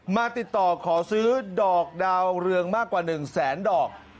มาติดต่อขอซื้อดอกดาวเรืองมากกว่า๑แสนดอก